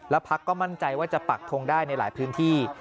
พักก็มั่นใจว่าจะปักทงได้ในหลายพื้นที่